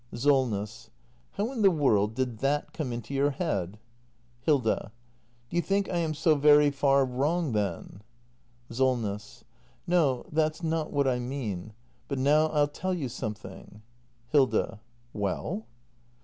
SOLNESS. How in the world did that come into your head ? Hilda. Do you think I am so very far wrong then ? SOLNESS. No, that's not what I mean. But now I'll tell you something. Hilda. Well?